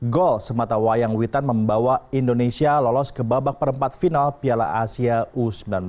gol semata wayang witan membawa indonesia lolos ke babak perempat final piala asia u sembilan belas